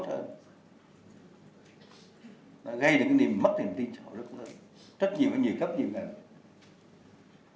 gây được cái niềm mất hình tin xã hội rất là lớn rất nhiều nhiều cấp nhiều ngành